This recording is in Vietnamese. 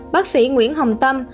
bác sĩ nguyễn hồng tâm